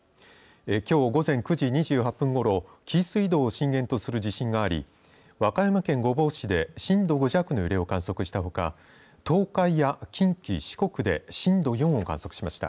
きょう午前９時２８分ごろ紀伊水道を震源とする地震があり和歌山県御坊市で震度５弱の揺れを観測したほか東海や近畿、四国で震度４を観測しました。